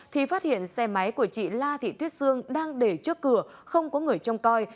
thì phát hiện xe máy của chị la thị thuyết sương đang để trước cửa không có người trông coi